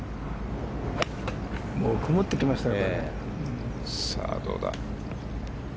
曇ってきましたね。